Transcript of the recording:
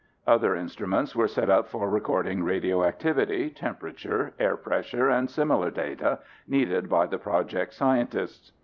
Other instruments were set up for recording radioactivity, temperature, air pressure, and similar data needed by the project scientists.